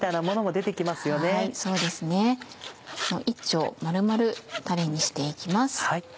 １丁丸々たれにして行きます。